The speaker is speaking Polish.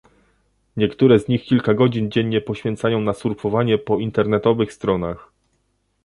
Niektóre z nich kilka godzin dziennie poświęcają na surfowanie po internetowych stronach